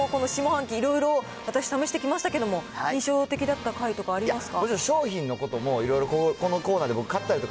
丸山さんもこの下半期、いろいろ私、試してきましたけども、印象的だった回とかありますか。